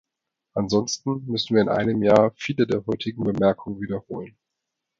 Ansonsten müssen wir in einem Jahr viele der heutigen Bemerkungen wiederholen.